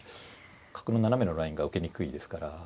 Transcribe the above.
角の斜めのラインが受けにくいですから。